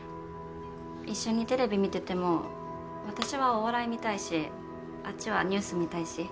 一緒にテレビ観てても私はお笑い観たいしあっちはニュース観たいし。